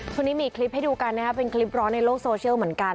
คนนี้มีคลิปให้ดูกันนะครับเป็นคลิปร้อนในโลกโซเชียลเหมือนกัน